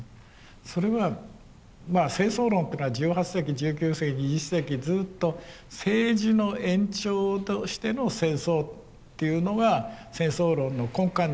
それは戦争論っていうのは１８世紀１９世紀２０世紀ずっと政治の延長としての戦争っていうのが戦争論の根幹にあった。